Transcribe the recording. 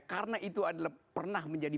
karena itu adalah pernah menjadi